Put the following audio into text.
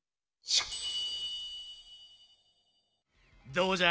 どうじゃ？